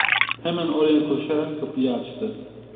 Hemen oraya koşarak kapıyı açtı.